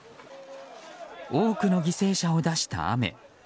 多くの犠牲者を出した雨。